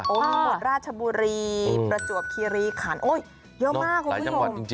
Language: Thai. ทั้งหมดราชบุรีประจวบคีรีขันโอ้ยเยอะมากคุณผู้ชม